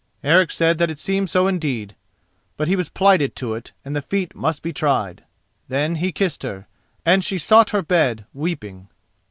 Eric said that it seemed so indeed, but he was plighted to it and the feat must be tried. Then he kissed her, and she sought her bed, weeping.